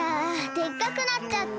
でっかくなっちゃった！